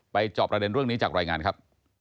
จอบประเด็นเรื่องนี้จากรายงานครับ